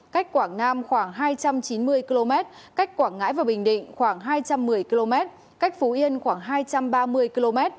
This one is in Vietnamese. cách quảng nam khoảng hai trăm chín mươi km cách quảng ngãi và bình định khoảng hai trăm một mươi km cách phú yên khoảng hai trăm ba mươi km